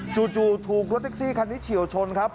จู่ถูกรถแท็กซี่คันนี้เฉียวชนครับ